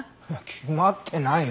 決まってないよ。